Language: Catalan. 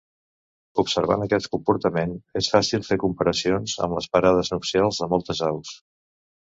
Observant aquest comportament és fàcil fer comparacions amb les parades nupcials de moltes aus.